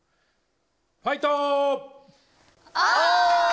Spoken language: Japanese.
ファイト！